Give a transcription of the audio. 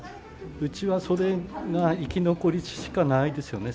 うちはそれが生き残りしかないですよね